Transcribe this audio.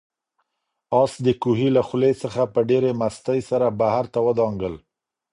آس د کوهي له خولې څخه په ډېرې مستۍ سره بهر ته ودانګل.